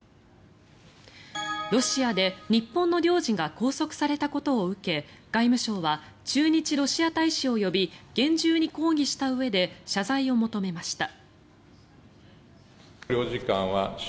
ロシアで日本の領事が拘束されたことを受け外務省は駐日ロシア大使を呼び厳重に抗議したうえで謝罪を求めました。